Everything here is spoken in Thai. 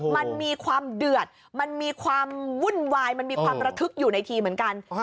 มันมีความเดือดมันมีความวุ่นวายมันมีความระทึกอยู่ในทีเหมือนกัน